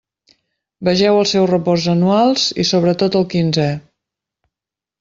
Vegeu els seus reports anuals, i sobretot el quinzè.